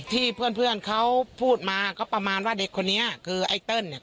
เพื่อนเพื่อนเขาพูดมาก็ประมาณว่าเด็กคนนี้คือไอ้เติ้ลเนี่ย